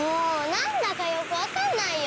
なんだかよくわかんないよ！